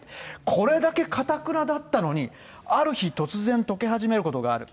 これだけかたくなだったのに、ある日、突然解け始めることがある。